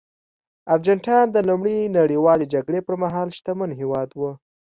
ارجنټاین د لومړۍ نړیوالې جګړې پرمهال شتمن هېواد و.